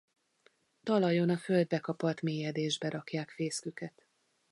Talajon a földbe kapart mélyedésbe rakják fészküket.